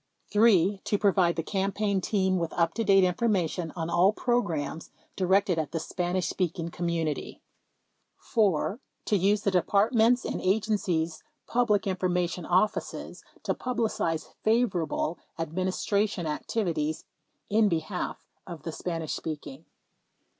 3. To provide the campaign team with up to date informa tion on all programs directed at the Spanish speaking com munity. 4. To use the Departments and Agencies public information offices to publicize favorable Administration activities in be half of the Spanish speaking.